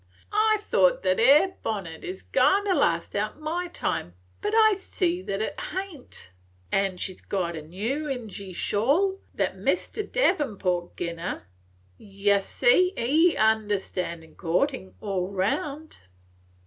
I thought that 'ere bonnet 's going to last out my time, but I see it hain't. An' she 's got a new Injy shawl, that Mr. Devenport gin her. Yeh see, he understan's courtin', all round."